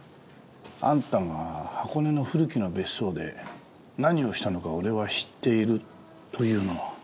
「あんたが箱根の古木の別荘で何をしたのか俺は知っている」というのは？